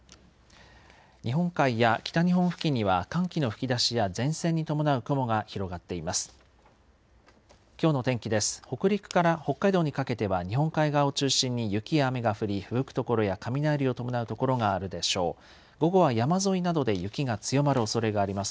日本海や北日本付近には寒気の吹き出しや前線に伴う雲が広がっています。